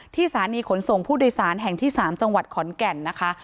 สถานีขนส่งผู้โดยสารแห่งที่๓จังหวัดขอนแก่นนะคะ